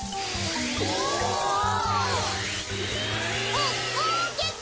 おおおきく。